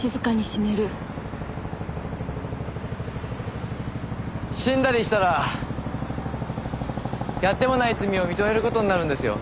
死んだりしたらやってもない罪を認める事になるんですよ。